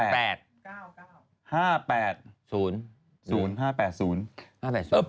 เออ๘๕๐เออ